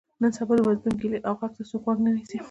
نن سبا د مظلوم ګیلې او غږ ته څوک غوږ نه نیسي.